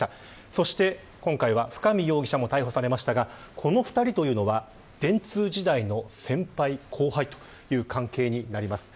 そして今回は深見容疑者も逮捕されましたがこの２人というのは電通時代の先輩、後輩という関係になります。